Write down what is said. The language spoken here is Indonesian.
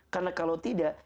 karena kalau tidak